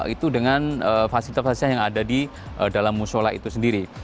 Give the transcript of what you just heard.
itu dengan fasilitas fasilitas yang ada di dalam musola itu sendiri